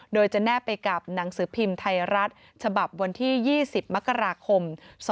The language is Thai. โดยจะแนบไปกับหนังสือพิมพ์ไทยรัฐฉบับวันที่๒๐มกราคม๒๕๖๒